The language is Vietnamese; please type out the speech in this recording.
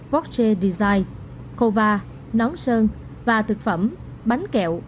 porsche design cova nón sơn và thực phẩm bánh kẹo